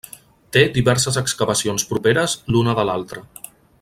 Té diverses excavacions properes l'una de l'altra.